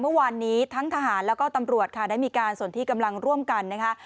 เมื่อวานนี้ทั้งทหารแล้วก็ตำรวจค่ะได้มีการส่วนที่กำลังร่วมกันนะคะ